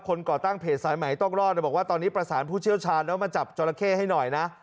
ก่อตั้งเพจสายใหม่ต้องรอดบอกว่าตอนนี้ประสานผู้เชี่ยวชาญแล้วมาจับจราเข้ให้หน่อยนะ